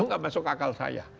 enggak masuk akal saya